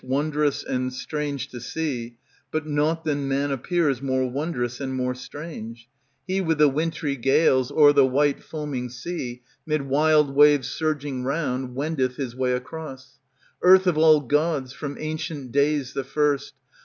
Wondrous and strange to see, But nought than man appears More wondrous and more strange. He, with the wintry gales, 15^ ANTIGONE O'er the white foaming sea, 'Mid wild waves surging round, Wendeth his way across : Earth, of all Gods, from ancient days the first.